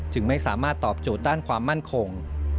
ไม่สามารถตอบโจทย์ด้านความมั่นคง